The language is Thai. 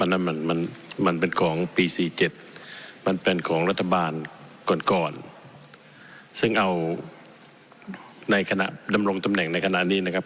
นั่นมันมันเป็นของปี๔๗มันเป็นของรัฐบาลก่อนก่อนซึ่งเอาในขณะดำรงตำแหน่งในขณะนี้นะครับ